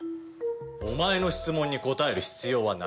お前の質問に答える必要はない。